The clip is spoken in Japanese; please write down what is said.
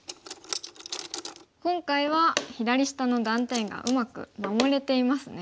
今回は左下の断点がうまく守れていますね。